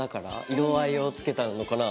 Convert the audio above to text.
色合いをつけたのかな？